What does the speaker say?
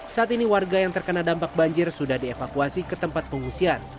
saat ini warga yang terkena dampak banjir sudah dievakuasi ke tempat pengungsian